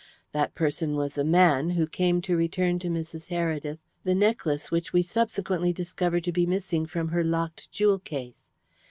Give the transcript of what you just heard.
That person was a man, who came to return to Mrs. Heredith the necklace which we subsequently discovered to be missing from her locked jewel case.